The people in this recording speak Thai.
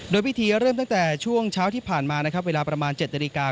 โดยพิธีเริ่มตั้งแต่ช่วงเช้าที่ผ่านมานะครับเวลาประมาณ๗นาฬิกา